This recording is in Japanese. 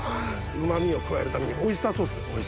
うま味を加えるためにオイスターソース。